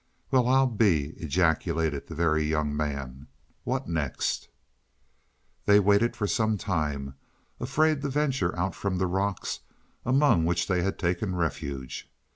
"Well, I'll be " ejaculated the Very Young Man. "What next?" They waited for some time, afraid to venture out from the rocks among which they had taken refuge.